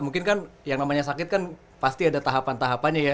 mungkin kan yang namanya sakit kan pasti ada tahapan tahapannya ya